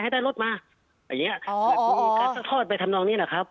ให้ได้รถมาอย่างเงี้ยอ๋ออ๋ออ๋อสักทอดไปทำนองนี้แหละครับ